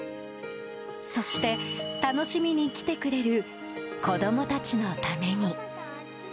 そして、楽しみに来てくれる子供たちのために。